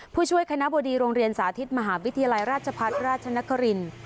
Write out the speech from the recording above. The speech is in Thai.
ผู้ช่วยคณะบดีโรงเรียนสาธิตมหาวิทยาลัยราชพัฒน์ราชนครินทร์